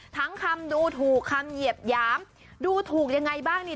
คำดูถูกคำเหยียบหยามดูถูกยังไงบ้างนี่